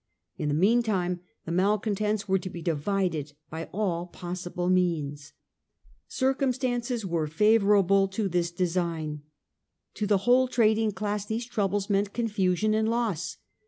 In the meantime the malcontents were to be divided by all possible means. Circumstances were favourable to this design. To the whole trading class these troubles meant confusion and loss.